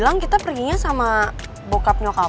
tapi tali dan berpengaruh